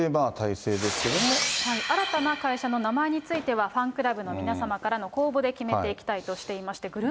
新たな会社の名前ですけれども、ファンクラブの皆様からの公募で決めていきたいとしていまし